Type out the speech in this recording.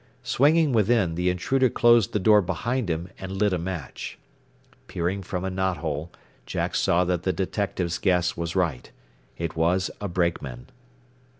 Swinging within, the intruder closed the door behind him, and lit a match. Peering from a knot hole, Jack saw that the detective's guess was correct. It was a brakeman.